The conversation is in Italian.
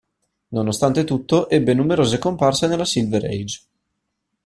Nonostante tutto, ebbe numerose comparse nella Silver Age.